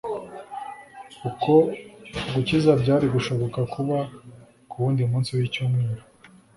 Uko gukiza byari gushobora kuba ku wundi munsi w'icyumweru,